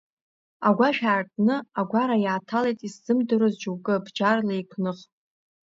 Агәашә аартны, агәара иааҭалеит исзымдыруаз џьоукы бџьарла еиқәных.